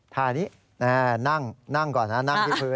ท่านี้นั่งก่อนนะนั่งที่พื้น